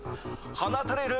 放たれる